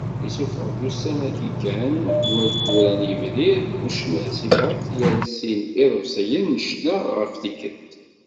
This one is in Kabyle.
Issufeɣ-d ussan-a kan n wayyur-a n yebrir ucennay Sifaks Yal sin n yiḍebsiyen n ccna ɣef tikkelt.